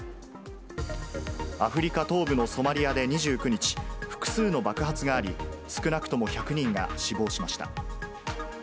アフリカ東部のソマリアで２９日、複数の爆発があり、少なくとも１００人が死亡しました。